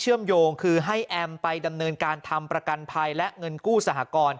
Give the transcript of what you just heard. มโยงคือให้แอมไปดำเนินการทำประกันภัยและเงินกู้สหกร